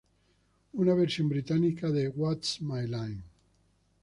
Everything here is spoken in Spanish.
Una versión británica de "What's My Line?